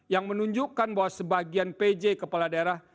yang menunjukkan bahwa sebagian pj kepala daerah